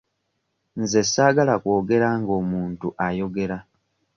Nze ssaagala kwogera nga omuntu ayogera.